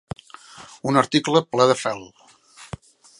Un article ple de fel.